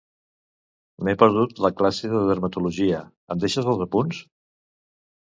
M'he perdut la classe de dermatologia, em deixes els apunts?